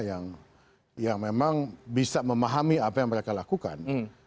yang memang bisa memahami apa yang mereka lakukan